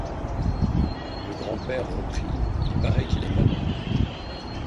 Le grand-père reprit: — Il paraît qu’il est malade.